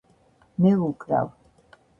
მე ვუკრავ